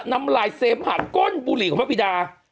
น้ำลายเสมหัดก้นบุหรี่ของพระบิดา